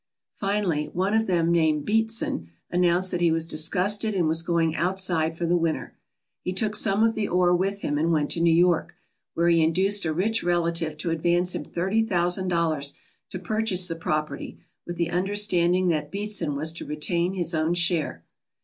Finally, one of them named Beatson announced that he was disgusted and was going outside for the winter. He took some of the ore with him and went to New York, where he induced a rich relative to advance him thirty thousand dollars to purchase the property, with the un derstanding that Beatson was to retain his own share.